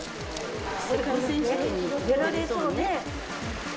世界選手権に出られそうね。